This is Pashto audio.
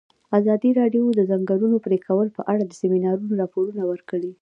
ازادي راډیو د د ځنګلونو پرېکول په اړه د سیمینارونو راپورونه ورکړي.